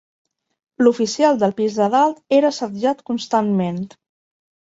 L'oficial del pis de dalt era assetjat constantment